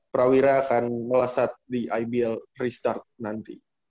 prawira akan melesat di ibl restart nanti